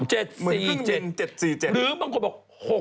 หรือบางคนบอก